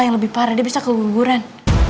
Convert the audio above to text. yang lebih parah dia bisa keguguran